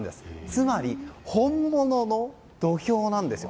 つまり、本物の土俵なんですよ。